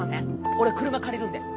俺車借りるんで。